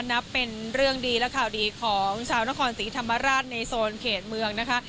นับเป็นเรื่องดีและข่าวดีของชาวนครศรีธรรมราชในโซนเขตเมืองนะคะ